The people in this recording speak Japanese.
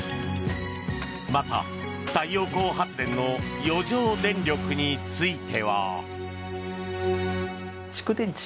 また、太陽光発電の余剰電力については。